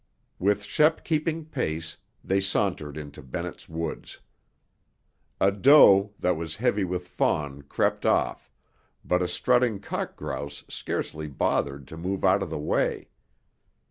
With Shep keeping pace, they sauntered into Bennett's Woods. A doe that was heavy with fawn crept off, but a strutting cock grouse scarcely bothered to move out of the way.